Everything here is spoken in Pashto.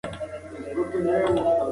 ځینې ډلې د دولت پروګرامونه نقدوي.